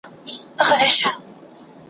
ځکه چي هیڅ هدف نه لري `